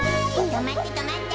とまってとまって！